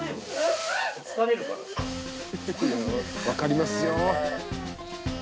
分かりますよ。